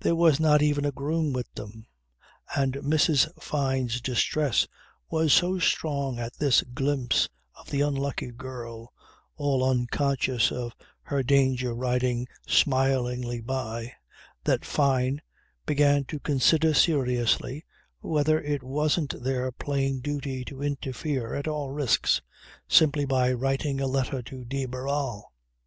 There was not even a groom with them. And Mrs. Fyne's distress was so strong at this glimpse of the unlucky girl all unconscious of her danger riding smilingly by, that Fyne began to consider seriously whether it wasn't their plain duty to interfere at all risks simply by writing a letter to de Barral.